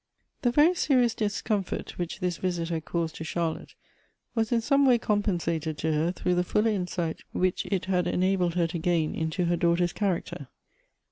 THE very serious discomfort which this visit had caused to Charlotte was iu some way compensated to her through the fuller insight which it had enabled her to gain into her daughter's character.